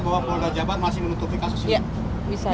bahwa polda jabar masih menutupi kasus ini